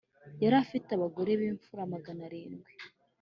Yari afite abagore b’imfura magana arindwi